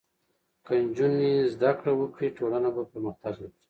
که نجونې زدهکړه وکړي، ټولنه به پرمختګ وکړي.